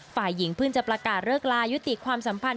ฝ่ายหญิงเพิ่งจะประกาศเลิกลายุติความสัมพันธ